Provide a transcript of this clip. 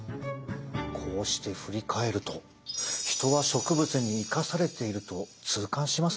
こうして振り返るとヒトは植物に生かされていると痛感しますね。